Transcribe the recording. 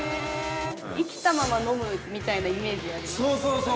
◆生きたまま飲むみたいなイメージがありますね。